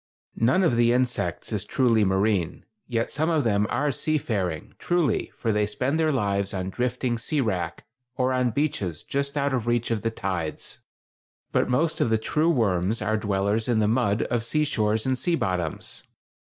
None of the insects is truly marine, yet some of them are seafaring, truly, for they spend their lives on drifting sea wrack, or on beaches just out of reach of the tides; but most of the true worms are dwellers in the mud of sea shores and sea bottoms.